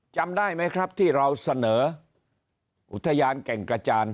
จำได้ไหมครับที่เราเสนออุทยานแก่งกระจาน